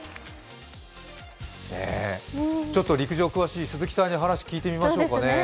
ちょっと陸上詳しい鈴木さんに話を聞いてみましょうかね。